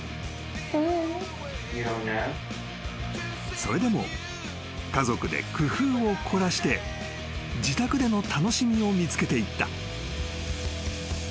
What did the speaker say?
［それでも家族で工夫を凝らして自宅での楽しみを見つけていった］